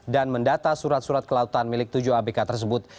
dan mendata surat surat kelautan milik tujuh abk tersebut